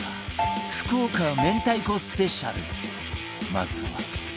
まずは